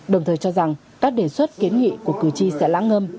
đồng thời cho rằng các đề xuất kiến nghị của cử tri đã đạt được trong thời gian qua